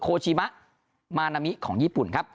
ชิมะมานามิของญี่ปุ่นครับ